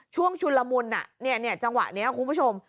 ช่วงชุนลมุลน่ะจังหวะนี้ครับคุณผู้ชม